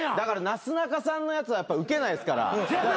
なすなかさんのやつはウケないっすから。